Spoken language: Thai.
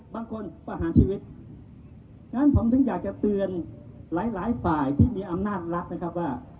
ประหารชีวิตฉะนั้นผมถึงอยากจะเตือนหลายหลายฝ่ายที่มีอำนาจรัฐนะครับว่า